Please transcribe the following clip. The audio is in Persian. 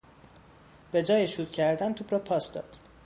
به جای شوت کردن توپ را پاس داد.